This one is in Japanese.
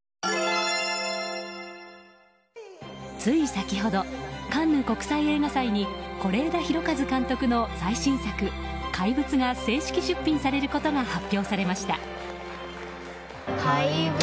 つい先ほどカンヌ国際映画祭に是枝裕和監督の最新作「怪物」が正式出品されることが発表されました。